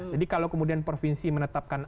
jadi kalau kemudian provinsi menetapkan